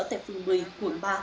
tại phường một mươi quận ba